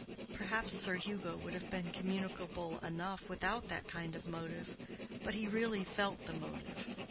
Perhaps Sir Hugo would have been communicable enough without that kind motive, but he really felt the motive.